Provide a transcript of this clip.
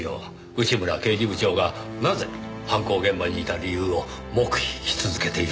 内村刑事部長がなぜ犯行現場にいた理由を黙秘し続けているのか。